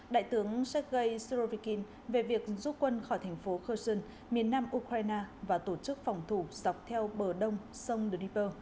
đại tướng sergei shirovkin về việc giúp quân khỏi thành phố kherson miền nam ukraine và tổ chức phòng thủ dọc theo bờ đông sông dnipro